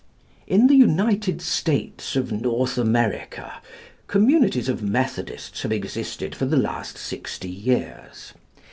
In the United States of North America communities of Methodists have existed for the last sixty years.